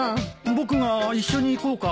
僕が一緒に行こうか？